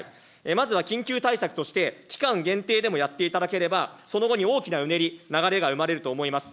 まずは緊急対策として、期間限定でもやっていただければ、その後に大きなうねり、流れが生まれると思います。